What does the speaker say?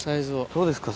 どうですか？